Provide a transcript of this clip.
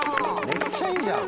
めっちゃいいじゃん！